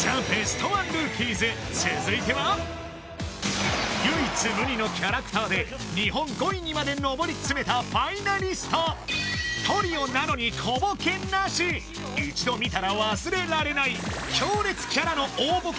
続いては唯一無二のキャラクターで日本５位にまで上り詰めたファイナリストトリオなのに小ボケなし一度見たら忘れられない強烈キャラの大ボケ